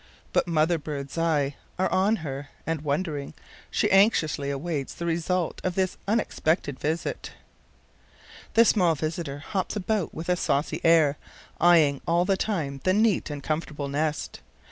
But mother bird's eyes are on her, and wondering, she anxiously awaits the result of this unexpected visit. The small visitor hops about a bit with a saucy air, eyeing all the time the neat and comfortable nest.